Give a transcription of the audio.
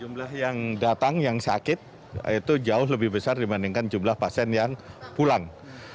jumlah yang datang yang sakit itu jauh lebih besar dibandingkan jumlah pasien yang pulang